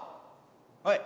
はい。